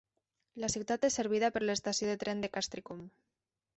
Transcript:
La ciutat és servida per l'estació de tren de Castricum.